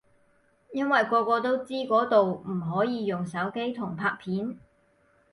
因為個個都知嗰度唔可以用手機同拍片